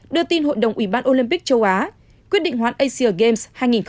đưa tin hội đồng ủy ban olympic châu á quyết định hoãn asia games hai nghìn hai mươi